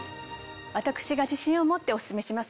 私が自信を持ってオススメします